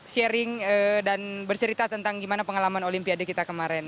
sharing dan bercerita tentang gimana pengalaman olimpiade kita kemarin